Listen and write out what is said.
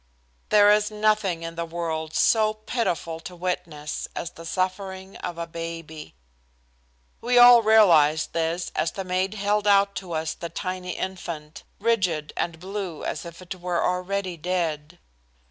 There is nothing in the world so pitiful to witness as the suffering of a baby. We all realized this as the maid held out to us the tiny infant, rigid and blue as if it were already dead.